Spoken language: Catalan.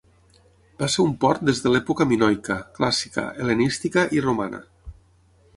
Va ser un port des de l'època minoica, clàssica, hel·lenística i romana.